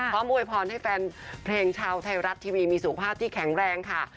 อวยพรให้แฟนเพลงชาวไทยรัฐทีวีมีสุขภาพที่แข็งแรงค่ะ